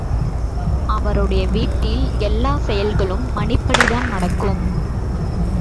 அவருடைய வீட்டில் எல்லாச்செயல்களும் மணிப்படிதான் நடக்கும்.